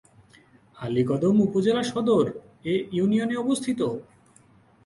আলীকদম উপজেলা সদর এ ইউনিয়নে অবস্থিত।